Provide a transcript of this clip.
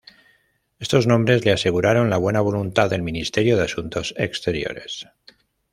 Estos nombres le aseguraron la buena voluntad del Ministerio de Asuntos Exteriores.